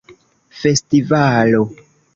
festivalo